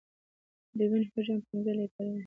د وینې حجم پنځه لیټره دی.